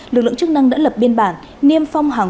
lực lượng chức năng đã lập biên bản niêm phong hàng